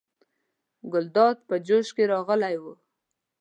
ګلداد په جوش کې راغلی و.